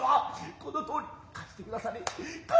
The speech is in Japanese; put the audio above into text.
このとおり貸して下され。